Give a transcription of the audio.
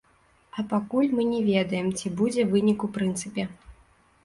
А пакуль мы не ведаем, ці будзе вынік у прынцыпе.